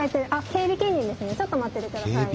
ちょっと待ってて下さい。